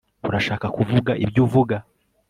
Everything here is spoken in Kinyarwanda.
urashaka kuvuga ibyo uvuga